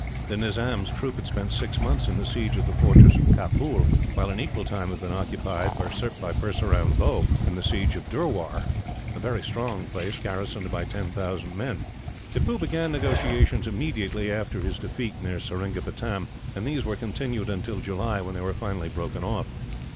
The Nizam's troops had spent six months in the siege of the fortress of Capool, while an equal time had been occupied, by Purseram Bhow, in the siege of Durwar, a very strong place, garrisoned by ten thousand men. Tippoo began negotiations immediately after his defeat near Seringapatam, and these were continued until July, when they were finally broken off.